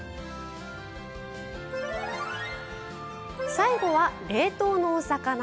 最後は冷凍のお魚。